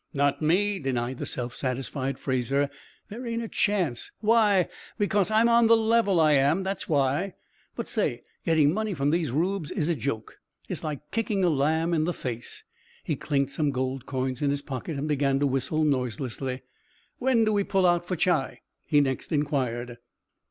"Not me!" denied the self satisfied Fraser. "There ain't a chance. Why? Because I'm on the level, I am. That's why. But say, getting money from these Reubs is a joke. It's like kicking a lamb in the face." He clinked some gold coins in his pocket and began to whistle noiselessly. "When do we pull out for Chi?" he next inquired.